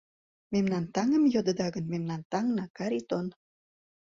Мемнан таҥым йодыда гын, Мемнан таҥна Каритон.